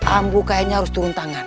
ambu kayaknya harus turun tangan